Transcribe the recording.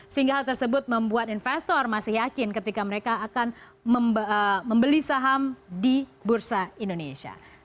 sehingga hal tersebut membuat investor masih yakin ketika mereka akan membeli saham di bursa indonesia